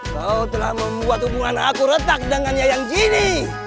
kau telah membuat hubungan aku retak dengan yayang gini